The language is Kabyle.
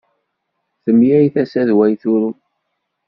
Temlal tasa d way turew.